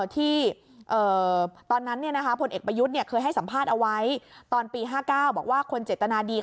ที่ตอนนั้นเนี่ยนะคะพลเอกประยุทธ์เนี่ยเคยให้สัมภาษณ์เอาไว้